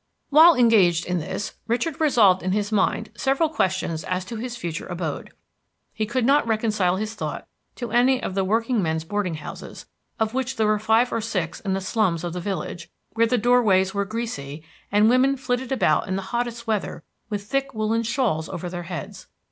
While engaged in this, Richard resolved in his mind several questions as to his future abode. He could not reconcile his thought to any of the workingmen's boarding houses, of which there were five or six in the slums of the village, where the doorways were greasy, and women flitted about in the hottest weather with thick woolen shawls over their heads.